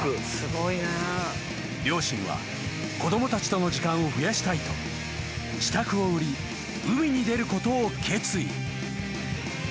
［両親は子供たちとの時間を増やしたいと自宅を売り海に出ることを決意］